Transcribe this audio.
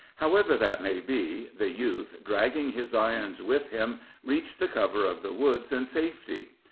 However that may be, the youth, dragging his irons with him, reached the cover of the woods and safety.